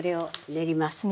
練ります。